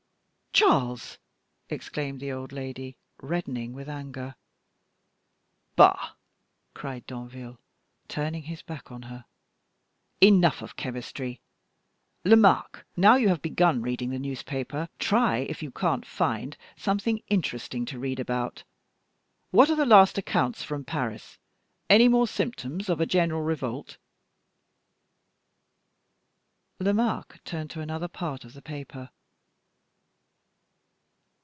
"Charles!" exclaimed the old lady, reddening with anger. "Bah!" cried Danville, turning his back on her, "enough of chemistry. Lomaque, now you have begun reading the newspaper, try if you can't find something interesting to read about. What are the last accounts from Paris? Any more symptoms of a general revolt?" Lomaque turned to another part of the paper.